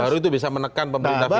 baru itu bisa menekan pemerintah pusat